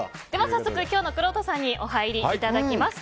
早速、今日のくろうとさんにお入りいただきます。